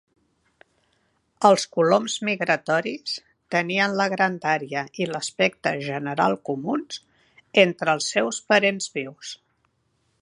Els coloms migratoris tenien la grandària i l'aspecte general comuns entre els seus parents vius.